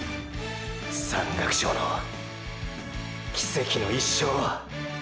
山岳賞の奇跡の一勝！！